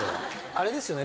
あれですよね。